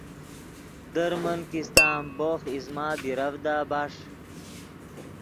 در من کیستہ امبوخ ایزمہ بیرڤدا بݰ